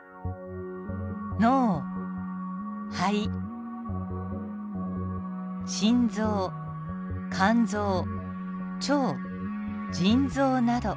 脳肺心臓肝臓腸腎臓など。